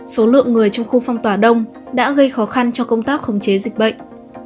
số lượng người trong khu phong tỏa đông đã gây khó khăn cho công tác khống chế dịch bệnh